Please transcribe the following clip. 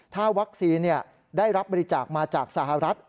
ถ้าวัคซีนได้รับบริจาคมาจากสหรัฐ